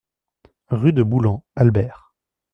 Rue de Boulan, Albert